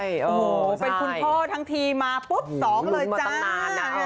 โอ้โหเป็นคุณพ่อทั้งทีมาปุ๊บสองเลยจ้า